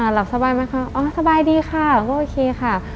หลับสบายไหมคะอ๋อสบายดีค่ะก็โอเคค่ะ